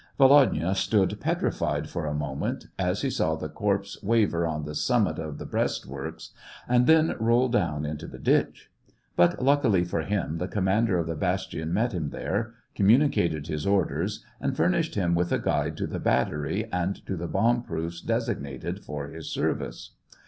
Volodya stood petrified for a moment, as he saw the corpse waver on the summit of the breastworks, and then roll down into the ditch ; but, luckily for him, the commander of the bastion met him there, communicated his orders, and furnished him with a guide to the battery and to the bomb proofs designated for his service.